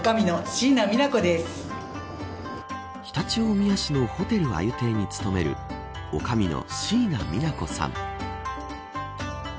常陸大宮市のホテル鮎亭に勤める女将の椎名みな子さん。